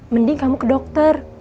mending kamu ke dokter